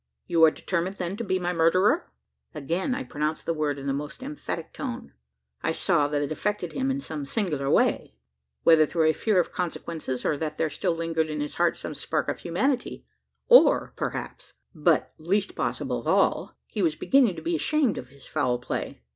"You are determined, then, to be my murderer?" I again pronounced the word in the most emphatic tone. I saw that it affected him in some singular way; whether through a fear of consequences; or that there still lingered in his heart some spark of humanity; or, perhaps but least possible of all he was beginning to be ashamed of his foul play.